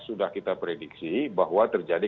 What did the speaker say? sudah kita prediksi bahwa terjadi